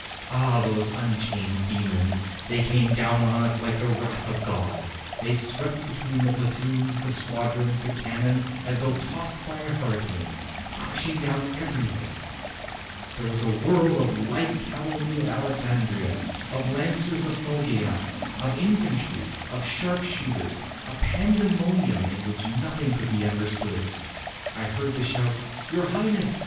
Ah ! those unchained demons ! They came down on us like the wrath of God. They swept between the platoons, the squadrons, the cannon, as though tossed by a hurricane, crushing down everything. There was a whirl of light cavalry of Alessandria, of lancers of Foggia, of infantry, of sharp shooters, a pandemonium in which nothing could be understood. I heard the shout, 'Your Highness